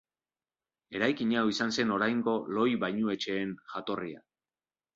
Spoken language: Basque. Eraikin hau izan zen oraingo lohi-bainuetxeen jatorria.